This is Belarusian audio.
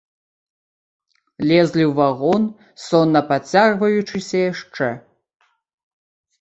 Лезлі ў вагон, сонна пацягваючыся яшчэ.